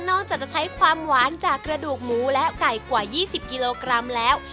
อกจากจะใช้ความหวานจากกระดูกหมูและไก่กว่า๒๐กิโลกรัมแล้ว